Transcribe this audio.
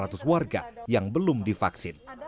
delapan ratus warga yang belum divaksin